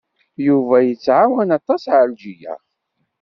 Yuba yettɛawan aṭas Ɛelǧiya.